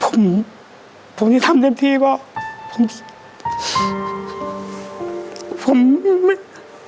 ผมผมที่ทำเต็มที่เพราะผมคิดผมไม่